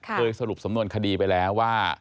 สรุปสำนวนคดีไปแล้วว่า